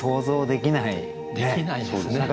できないですね。